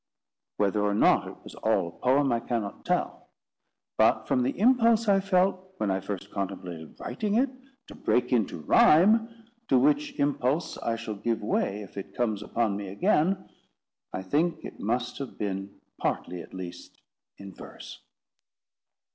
Whether or not it was all a poem, I cannot tell; but, from the impulse I felt, when I first contemplated writing it, to break into rime, to which impulse I shall give way if it comes upon me again, I think it must have been, partly at least, in verse.